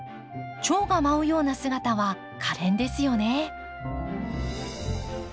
チョウが舞うような姿はかれんですよね。